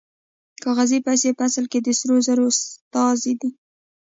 کاغذي پیسې په اصل کې د سرو زرو استازي دي